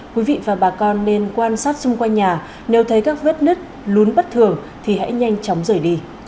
quý vị và bà con nên quan sát xung quanh nhà nếu thấy các vết nứt lún bất thường thì hãy nhanh chóng rời đi